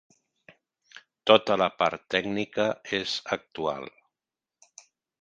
Tota la part tècnica és actual.